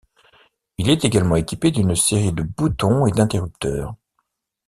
Il est également équipé d’une série de boutons et d'interrupteurs.